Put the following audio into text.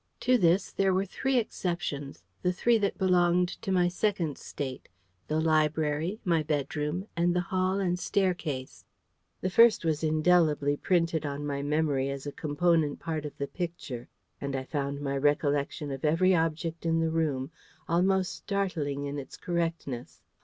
To this there were three exceptions the three that belonged to my Second State the library, my bedroom, and the hall and staircase. The first was indelibly printed on my memory as a component part of the Picture, and I found my recollection of every object in the room almost startling in its correctness.